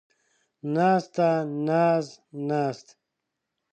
ناسته ، ناز ، ناست